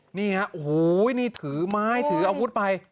หัวแล้วถือไม้ถือเอาพุสไป